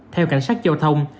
theo cảnh sát giao thông